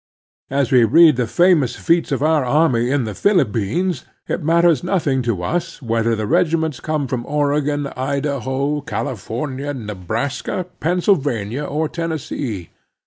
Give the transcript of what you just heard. As we read of the famous feats of our army in the Philippines, it matters nothing to us whether the regiments come from Oregon, Idaho, California, Nebraska, Pennsylvania, or Tennessee.